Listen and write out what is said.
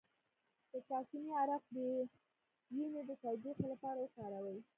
د کاسني عرق د ینې د تودوخې لپاره وکاروئ